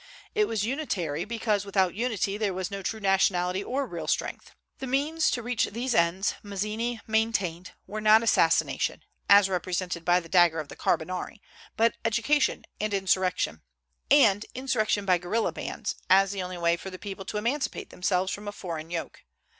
It was unitary, because without unity there was no true nationality or real strength. The means to reach these ends, Mazzini maintained, were not assassination, as represented by the dagger of the Carbonari, but education and insurrection, and insurrection by guerrilla bands, as the only way for the people to emancipate themselves from a foreign yoke.